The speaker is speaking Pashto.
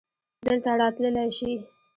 دلته راتللی شې؟